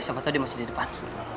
siapa tahu dia masih di depan